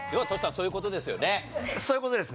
そういう事ですよね。